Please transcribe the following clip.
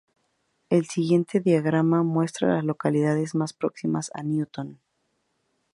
El siguiente diagrama muestra a las localidades más próximas a Newington.